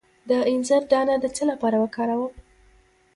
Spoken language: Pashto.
د انځر دانه د څه لپاره وکاروم؟